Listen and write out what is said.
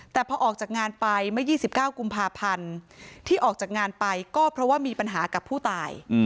แต่พอออกจากงานไปเมื่อ๒๙กุมภาพันธ์ที่ออกจากงานไปก็เพราะว่ามีปัญหากับผู้ตาย